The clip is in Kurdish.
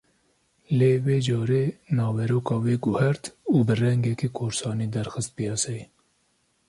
Lê vê carê naveroka wê guhert û bi rengekî korsanî derxist piyaseyê